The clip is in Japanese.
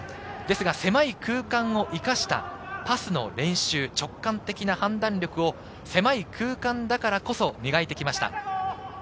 狭い空間を生かしたパスの練習、直感的な判断力を狭い空間だからこそ磨いてきました。